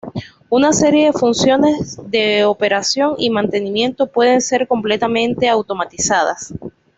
Una serie de funciones de operación y mantenimiento pueden ser completamente automatizadas.